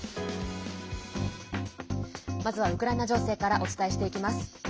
まずは、ウクライナ情勢からお伝えしていきます。